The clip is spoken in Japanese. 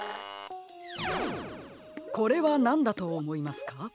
これはなんだとおもいますか？